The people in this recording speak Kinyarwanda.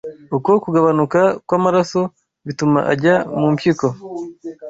Uko kugabanuka kw’amaraso bituma ajya mu mpyiko